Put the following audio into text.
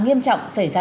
nghiêm trọng xảy ra